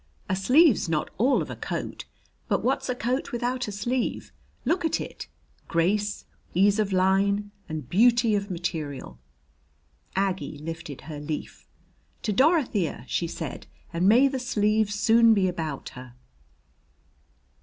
A sleeve's not all of a coat, but what's a coat without a sleeve? Look at it grace, ease of line, and beauty of material." Aggie lifted her leaf. "To Dorothea!" she said. "And may the sleeve soon be about her."